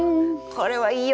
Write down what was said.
これはいいよ！